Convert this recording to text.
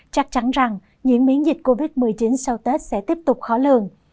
chắc chắn rằng những miễn dịch covid một mươi chín sau tết sẽ tiếp tục khó lường